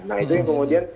nah itu yang kemudian